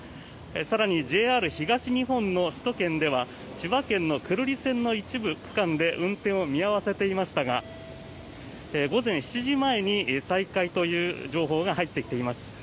更にＪＲ東日本の首都圏では千葉県の久留里線の一部区間で運転を見合わせていましたが午前７時前に再開という情報が入ってきています。